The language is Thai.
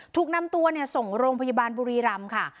ถูกนำตัวส่งโรงพยาบาลบุรีรำค่ะ